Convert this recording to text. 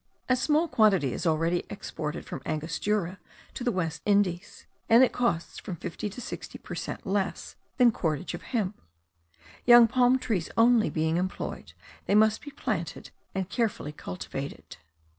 A small quantity is already exported from Angostura to the West Indies; and it costs from fifty to sixty per cent less than cordage of hemp. Young palm trees only being employed, they must be planted and carefully cultivated.